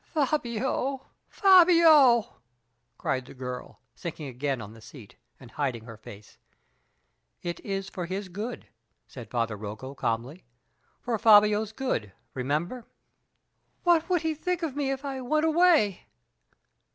"Fabio! Fabio!" cried the girl, sinking again on the seat, and hiding her face. "It is for his good," said Father Rocco, calmly: "for Fabio's good, remember." "What would he think of me if I went away?